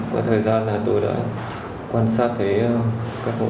có thời gian tôi đã quan sát thấy các ổ khóa